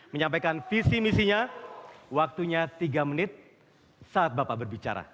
menyampaikan visi misinya waktunya tiga menit saat bapak berbicara